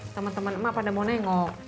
teman teman emak pada mau nengok